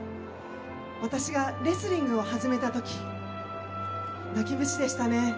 私がレスリングを始めた時泣き虫でしたね。